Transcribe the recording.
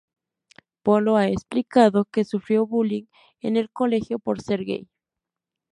Polo ha explicado que sufrió bullying en el colegio por ser gay.